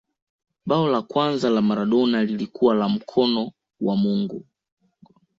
bao la kwanza la maradona lilikuwa la mkono wa mungu